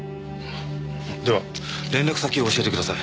では連絡先を教えてください。